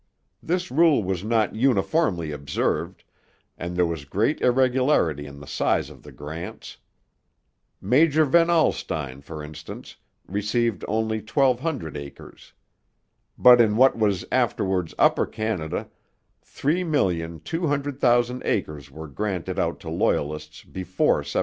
This rule was not uniformly observed, and there was great irregularity in the size of the grants. Major Van Alstine, for instance, received only 1,200 acres. But in what was afterwards Upper Canada, 3,200,000 acres were granted out to Loyalists before 1787.